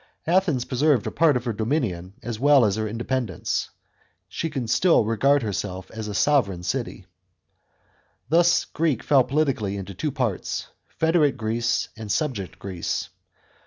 Athens preserved a part of her dominion as well as her independence ; she could still regard herself as a sovran city. Thus Greece fell politically into two parts : federate Greece and subject Greece.